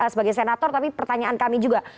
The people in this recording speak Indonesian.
sebagai senator tapi pertanyaan kami juga